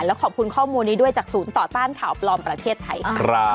แล้วขอบคุณข้อมูลนี้ด้วยจากศูนย์ต่อต้านข่าวปลอมประเทศไทยค่ะ